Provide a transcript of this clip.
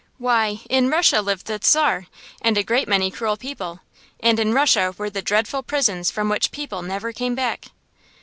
Why, in Russia lived the Czar, and a great many cruel people; and in Russia were the dreadful prisons from which people never came back.